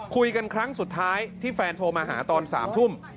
คุยกันครั้งสุดท้ายที่แฟนโทรมาหาตอน๓ทุ่ม